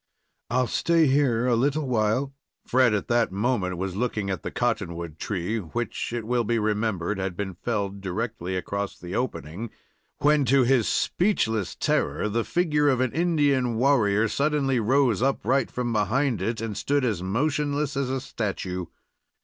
"I'll stay here a little while " Fred at that moment was looking at the cottonwood tree, which, it will be remembered, had been felled directly across the opening, when, to his speechless terror, the figure of an Indian warrior suddenly rose upright from behind it, and stood as motionless as a statue.